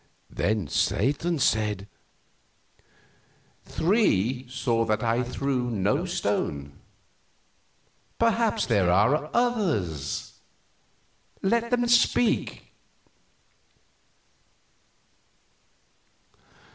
Then Satan said: "Three saw that I threw no stone. Perhaps there are others; let them speak."